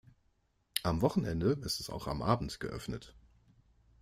Am Wochenende ist es auch am Abend geöffnet.